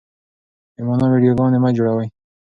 بې مانا ويډيوګانې مه جوړوئ.